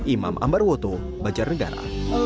imam ambarwoto banjarnegara